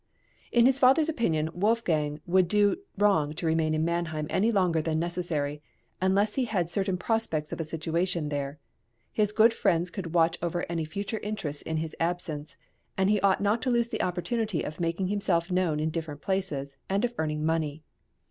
In his father's opinion Wolfgang would do wrong to remain in Mannheim any longer than necessary, unless he had certain prospects of a situation there; his good friends could watch over any future interests in his absence, and he ought not to lose the opportunity of making himself known in different places, and of earning money.